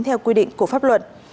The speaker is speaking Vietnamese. theo quy định của pháp luận